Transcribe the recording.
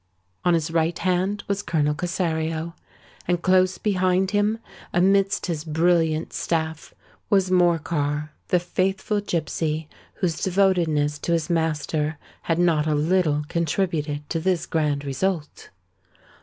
On his right hand was Colonel Cossario; and close behind him—amidst his brilliant staff—was Morcar,—the faithful gipsy whose devotedness to his master had not a little contributed to this grand result.